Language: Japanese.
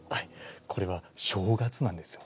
これは「正月」なんですよ。